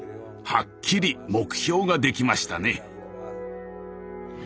はっきり目標ができましたね。